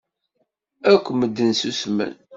Akk medden ssusmen.